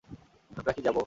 আমরা কি যাবো?